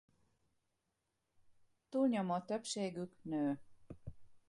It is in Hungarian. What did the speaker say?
Túlnyomó többségük nő.